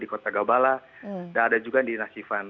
kota gabala dan ada juga di nasifan